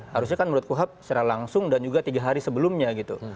harusnya kan menurut kuhab secara langsung dan juga tiga hari sebelumnya gitu